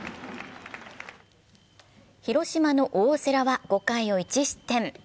広島の大瀬良は５回を１失点。